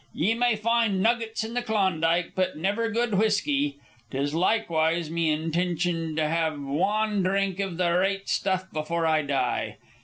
Ye may find nuggets in the Klondike, but niver good whiskey. 'Tis likewise me intintion to have wan drink iv the rate stuff before I die.